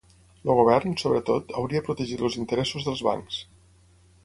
El govern, sobretot, hauria protegit els interessos dels bancs.